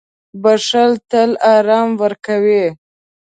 • بښل تل آرام ورکوي.